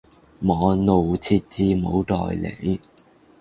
網路設置冇代理